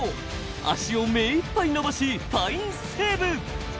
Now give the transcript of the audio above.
足を目いっぱい伸ばしファインセーブ！